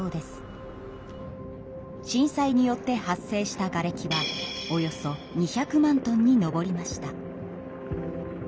震災によって発生したがれきはおよそ２００万トンに上りました。